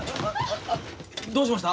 どうしました！？